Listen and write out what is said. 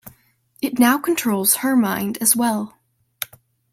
It now controls her mind as well.